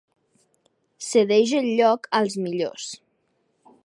Cedeix el lloc als millors.